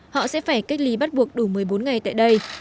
họ sẽ phải kết lý bắt buộc đủ một mươi bốn ngày tại đây